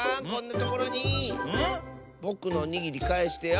ぼくのおにぎりかえしてよ！